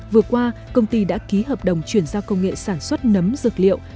vừa qua công ty đã ký hợp đồng chuyển giao công nghệ sản xuất nấm dược liệu